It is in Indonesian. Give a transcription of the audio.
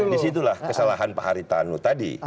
di situ lah kesalahan pak haritanu tadi